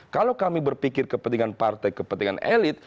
kalau kami berpikir kepentingan partai kepentingan elit